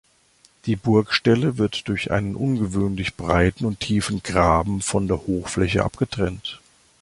Die Burgstelle wird durch einen ungewöhnlich breiten und tiefen Graben von der Hochfläche abgetrennt.